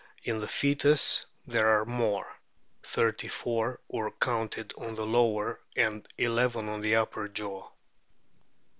In the foetus there are more ; thirty four were counted on the lower and eleven on the upper jaw.